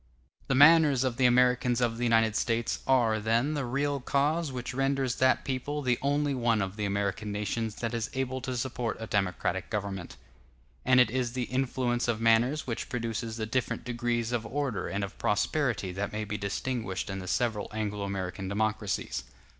The manners of the Americans of the United States are, then, the real cause which renders that people the only one of the American nations that is able to support a democratic government; and it is the influence of manners which produces the different degrees of order and of prosperity that may be distinguished in the several Anglo American democracies.